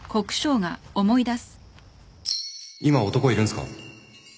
今男いるんすか？